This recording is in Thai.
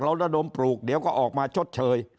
ระดมปลูกเดี๋ยวก็ออกมาชดเชย